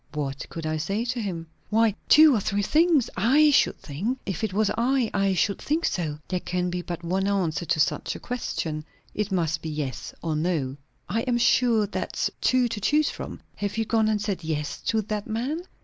"What could I say to him?" "Why, two or three things, I should think. If it was I, I should think so." "There can be but one answer to such a question. It must be yes or no." "I am sure that's two to choose from. Have you gone and said yes to that man?"